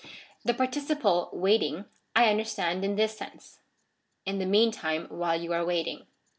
The particij)le waiting I understand in this sense, " In the mean time while you are waiting."